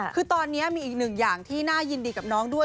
คือตอนนี้มีอีกหนึ่งอย่างที่น่ายินดีกับน้องด้วย